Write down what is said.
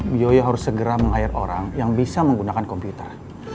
bioyo harus segera menghayat orang yang bisa menggunakan komputer